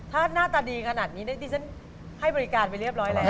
ถ้าหน้าตาดีขนาดนี้ดิฉันให้บริการไปเรียบร้อยแล้ว